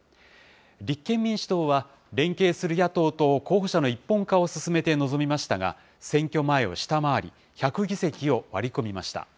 立憲民主党は、連携する野党と候補者の一本化を進めて臨みましたが、選挙前を下回り、１００議席を割り込みました。